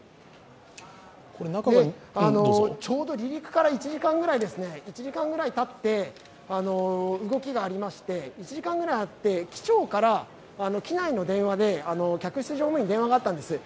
ちょうど離陸から１時間ぐらいたって動きがありまして機長から機内の電話で客室乗務員の電話があったんです。